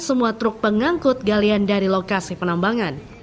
semua truk pengangkut galian dari lokasi penambangan